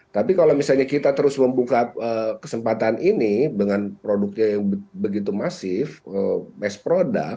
tapi kalau misalnya kita terus membuka kesempatan ini dengan produknya yang begitu masif mass product